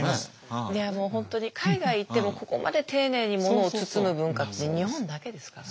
いやもう本当に海外行ってもここまで丁寧にものを包む文化って日本だけですからね。